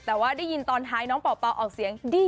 แต่ว่าได้ยินตอนท้ายน้องเป่าออกเสียงดี